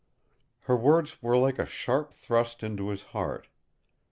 Her words were like a sharp thrust into his heart.